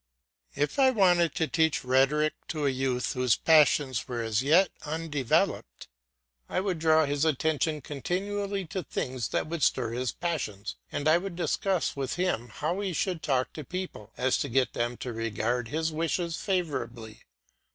If I wanted to teach rhetoric to a youth whose passions were as yet undeveloped, I would draw his attention continually to things that would stir his passions, and I would discuss with him how he should talk to people so as to get them to regard his wishes favourably.